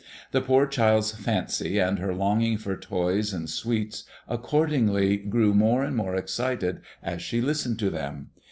The poor child's fancy and her longing for toys and sweets accordingly grew more and more excited as she listened to them.